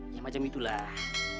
ya macam itulah